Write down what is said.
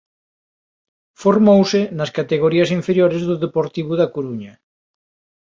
Formouse nas categorías inferiores do Deportivo da Coruña.